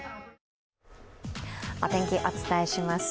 お天気、お伝えします。